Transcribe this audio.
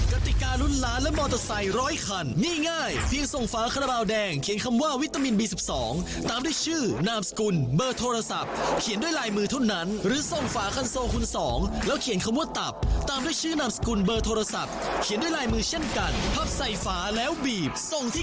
กติการุ่นล้านและมอเตอร์ไซค์ร้อยคันนี่ง่ายเพียงส่งฝาคาราบาลแดงเขียนคำว่าวิตามินบี๑๒ตามด้วยชื่อนามสกุลเบอร์โทรศัพท์เขียนด้วยลายมือเท่านั้นหรือส่งฝาคันโซคุณสองแล้วเขียนคำว่าตับตามด้วยชื่อนามสกุลเบอร์โทรศัพท์เขียนด้วยลายมือเช่นกันพับใส่ฝาแล้วบีบส่งที่